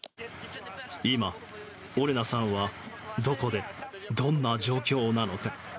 今、オレナさんはどこで、どんな状況なのか。